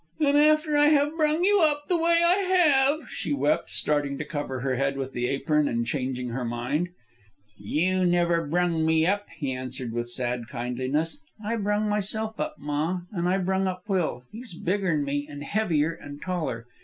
"An' after I have brung you up the way I have," she wept, starting to cover her head with the apron and changing her mind. "You never brung me up," he answered with sad kindliness. "I brung myself up, ma, an' I brung up Will. He's bigger'n me, an' heavier, an' taller.